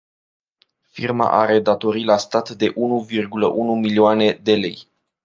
Firma are datorii la stat de unu virgulă unu milioane de lei.